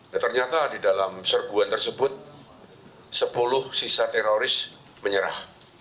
nah ternyata di dalam serguan tersebut sepuluh sisa teroris menyerah